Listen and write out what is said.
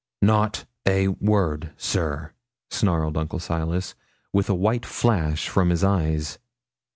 'Not a word, sir,' snarled Uncle Silas, with a white flash from his eyes.